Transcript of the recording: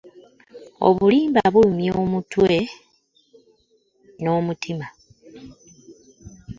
.Obulimba bulumya okutwe n'omutima.